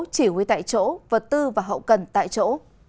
chỉ huy tại chỗ vật tư và hậu cần tại chỗ